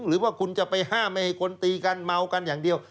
หรือว่าคุณจะไปห้ามไม่ให้คนตีกันเมากันอย่างเดียว